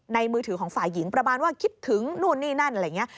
มือถือของฝ่ายหญิงประมาณว่าคิดถึงนู่นนี่นั่นอะไรอย่างนี้